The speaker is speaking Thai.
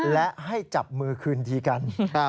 และให้จับมือคืนดีกัน